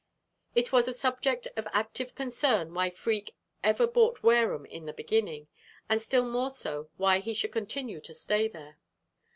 It was a subject of active concern why Freke ever bought Wareham in the beginning, and still more so why he should continue to stay there.